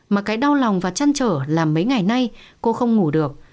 mà cái đau lòng và chăn trở là mấy ngày nay cô không ngủ được